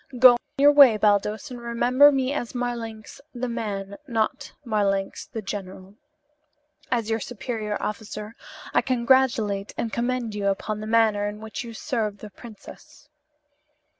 Go your way, Baldos, and remember me as Marlanx the man, not Marlanx the general. As your superior officer, I congratulate and commend you upon the manner in which you serve the princess."